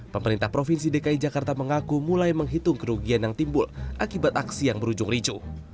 pemerintah provinsi dki jakarta mengaku mulai menghitung kerugian yang timbul akibat aksi yang berujung ricu